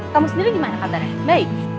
kamu sendiri gimana kabarnya baik